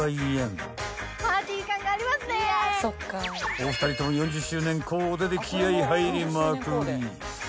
［お二人とも４０周年コーデで気合入りまくり］